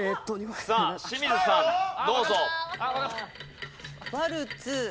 さあ清水さんどうぞ。